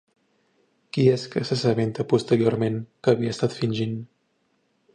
Qui és que s'assabenta posteriorment que havia estat fingint?